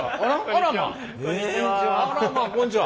あらまあらまこんにちは。